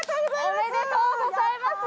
おめでとうございます。